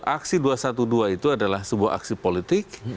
aksi dua ratus dua belas itu adalah sebuah aksi politik